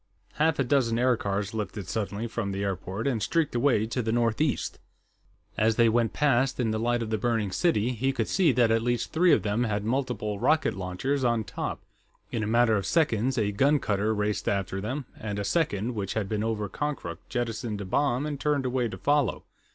Half a dozen aircars lifted suddenly from the airport and streaked away to the northeast. As they went past, in the light of the burning city, he could see that at least three of them had multiple rocket launchers on top. In a matter of seconds, a gun cutter raced after them, and a second, which had been over Konkrook, jettisoned a bomb and turned away to follow.